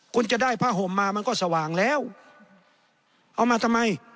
คุณจะได้ผ้าห่มมามันก็สว่างแล้วเอามาทำไม